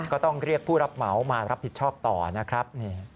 ก็ต้องเรียกผู้รับเหมามารับผิดชอบต่อนะครับ